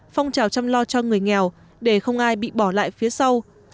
phong trào chăm lo cho người nghèo để không ai bị bỏ lại phía sau